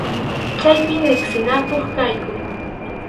Chaypim riqsinakuq kayku.